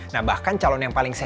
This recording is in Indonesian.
nah bahkan calon yang paling sehat